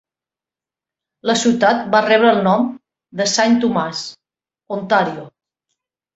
La ciutat va rebre el nom de Saint Thomas, Ontario.